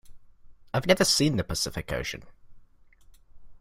I've never seen the Pacific Ocean.